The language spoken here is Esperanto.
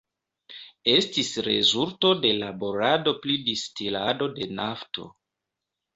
Estis rezulto de laborado pri distilado de nafto.